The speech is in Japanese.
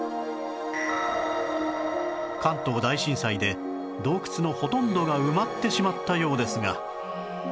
関東大震災で洞窟のほとんどが埋まってしまったようですが